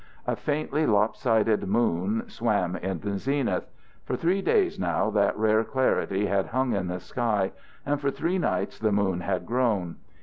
A faintly lop sided moon swam in the zenith. For three days now that rare clarity had hung in the sky, and for three nights the moon had grown.